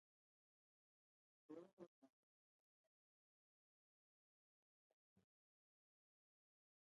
The outer wall is somewhat polygonal, particularly in the southwestern half.